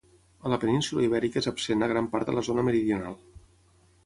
A la península Ibèrica és absent a gran part de la zona meridional.